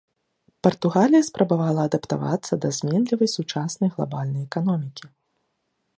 Партугалія спрабавала адаптавацца да зменлівай сучаснай глабальнай эканомікі.